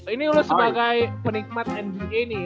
ini lo sebagai penikmat nba nih